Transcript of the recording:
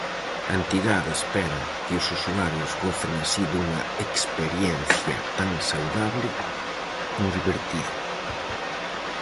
A entidade espera que os usuarios gocen así dunha experiencia tan saudable como divertida.